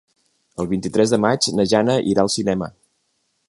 El vint-i-tres de maig na Jana irà al cinema.